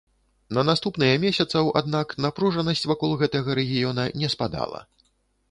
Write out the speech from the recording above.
На наступныя месяцаў, аднак, напружанасць вакол гэтага рэгіёна не спадала.